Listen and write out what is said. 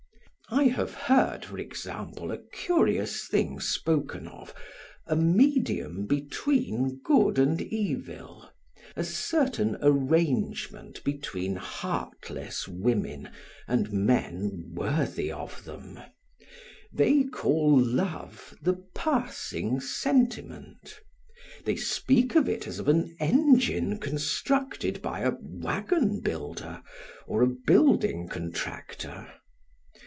I have heard, for example, a curious thing spoken of, a medium between good and evil, a certain arrangement between heartless women and men worthy of them; they call love the passing sentiment. They speak of it as of an engine constructed by a wagon builder or a building contractor.